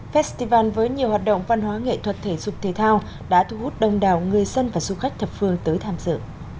festival với nhiều hoạt động văn hóa nghệ thuật thể dục thể thao đã thu hút đông đảo người dân và du khách thập phương tới tham dự